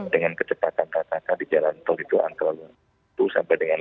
dengan kecepatan tatakan di jalan tol itu antara dua sampai dengan lima